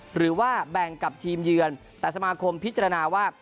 หรือว่าแบ่งกับทีมเยือนแต่สมาคมพิจารณาว่า